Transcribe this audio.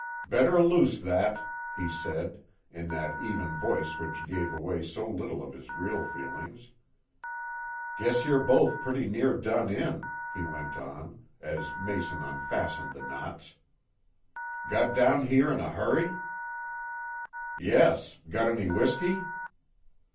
"Better loose that," he said, in that even voice which gave away so little of his real feelings. "Guess you're both pretty near done in," he went on, as Mason unfastened the knots. "Got down here in a hurry?" "Yes; got any whiskey?"